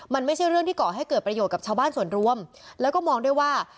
มันไม่ใช่เรื่องที่ก่อให้เกิดประโยชน์กับชาวบ้านส่วนรวมแล้วก็มองด้วยว่า